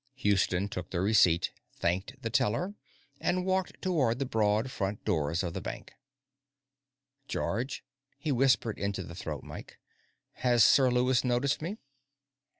Houston took the receipt, thanked the teller, and walked toward the broad front doors of the bank. "George," he whispered into the throat mike, "has Sir Lewis noticed me?"